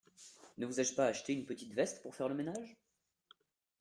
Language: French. Ne vous ai-je pas acheté une petite veste pour faire le ménage ?